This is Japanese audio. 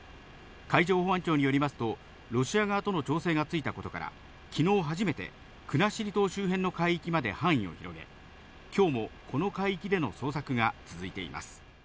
海上保安庁によりますと、ロシア側との調整がついたことから、きのう初めて、国後島周辺の海域まで範囲を広げ、きょうもこの海域での捜索が続いています。